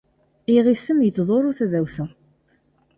Iɣisem yettḍurru tadawsa.